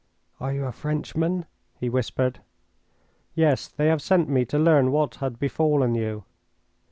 "Are you a Frenchman?" he whispered. "Yes. They have sent me to learn what had befallen you."